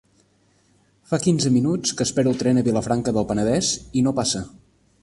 Fa quinze minuts que espero el tren a Vilafranca del Penedès i no passa.